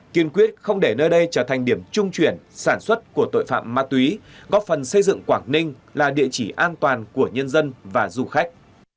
kiên quyết không để nơi đây trở thành điểm trung chuyển sản xuất của tội phạm ma túy góp phần xây dựng quảng ninh là địa chỉ an toàn của nhân dân và du khách